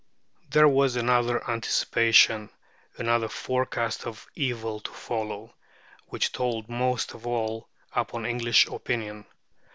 There was another anticipation, another forecast of evils to follow, which told most of all upon English opinion.